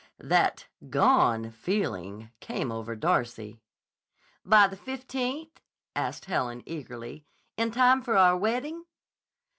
(That "gone" feeling came over Darcy.) "By the 15th?" asked Helen eagerly. "In time for our wedding?"